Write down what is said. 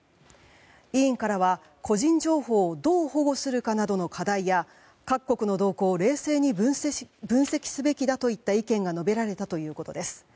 委員からは個人情報をどう保護するかなどの課題や各国の動向を冷静に分析すべきだといった意見が述べられたということです。